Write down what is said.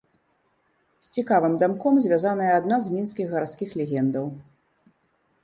З цікавым дамком звязаная адна з мінскіх гарадскіх легендаў.